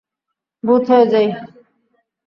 ভূত হয়ে যাই!